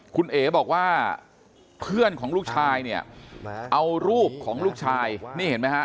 คุณเอ๋บอกว่าเพื่อนของลูกชายเนี่ยเอารูปของลูกชายนี่เห็นไหมฮะ